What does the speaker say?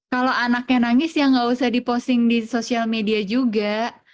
kalau anaknya nangis ya nggak usah diposting di sosial media juga